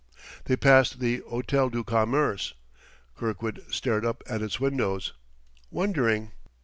They passed the Hôtel du Commerce. Kirkwood stared up at its windows, wondering....